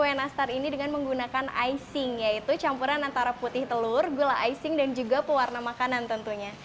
setelah ini kue nastar akan dihias dengan menggunakan icing yaitu campuran antara putih telur gula icing dan juga pewarna makanan tentunya